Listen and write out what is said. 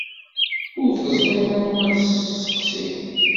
Ur teẓrim anwa ara tesseqsim.